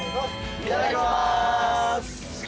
いただきます！